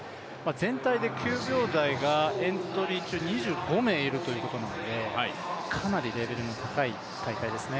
全体で９秒台がエントリー中２５名いるということなので、かなりレベルの高い大会ですね。